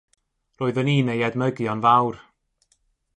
Roeddwn i'n ei edmygu o'n fawr.